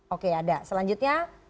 oke ada selanjutnya